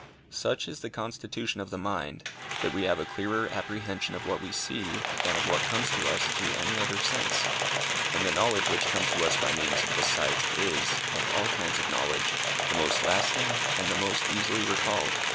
Such is the constitution of the mind, that we have a clearer apprehension of what we see than of what comes to us through any other sense, and the knowledge which comes to us by means of the sight, is, of all kinds of knowledge, the most lasting and the most easily recalled.